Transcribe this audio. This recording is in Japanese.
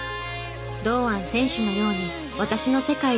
堂安選手のように「私の世界一も必然だ！」